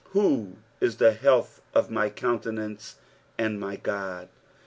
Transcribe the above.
" Who ii tht health of my countenance, and my Ood."